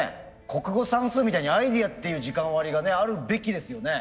国語算数みたいにアイデアっていう時間割りがねあるべきですよね。